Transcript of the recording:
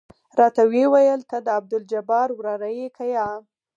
راته ويې ويل ته د عبدالجبار وراره يې که يه.